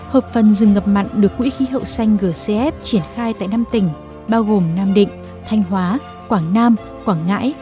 hợp phần rừng ngập mặn được quỹ khí hậu xanh gcf triển khai tại năm tỉnh bao gồm nam định thanh hóa quảng nam quảng ngãi